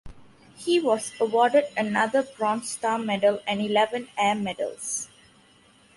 He was awarded another Bronze Star Medal and eleven Air Medals.